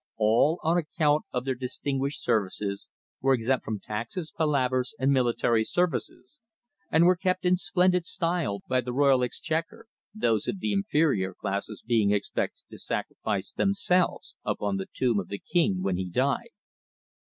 All, on account of their distinguished services, were exempt from taxes, palavers and military services, and were kept in splendid style by the Royal exchequer, those of the inferior classes being expected to sacrifice themselves upon the tomb of the king when he died.